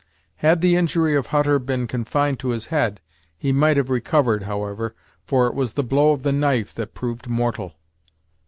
Had the injury of Hutter been confined to his head, he might have recovered, however, for it was the blow of the knife that proved mortal.